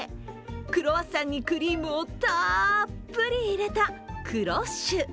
クロワッサンにクリームをたっぷり入れたクロッシュ。